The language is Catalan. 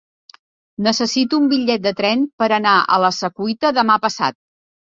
Necessito un bitllet de tren per anar a la Secuita demà passat.